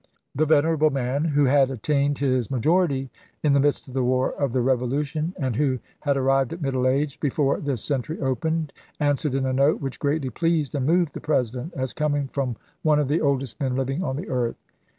The venerable man, who had attained his major ity in the midst of the war of the Revolution, and who had arrived at middle age before this century opened, answered in a note which greatly pleased and moved the President, as coming from one of the oldest men living on the earth.